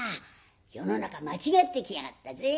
世の中間違ってきやがったぜ。